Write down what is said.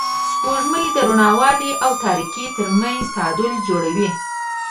سپوږمۍ د روڼوالي او تاریکۍ تر منځ تعادل جوړوي